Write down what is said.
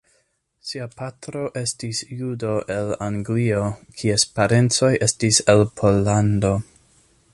Sia patro estis judo el Anglio kies parencoj estis el Pollando.